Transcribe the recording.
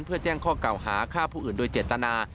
เพื่อแจ้งข้อเก่าหาฆ่าผู้อื่นโดยเจตนา